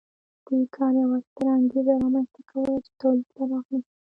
دې کار یوه ستره انګېزه رامنځته کوله چې تولید پراخ نه شي